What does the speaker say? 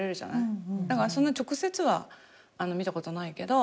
だからそんな直接は見たことないけど。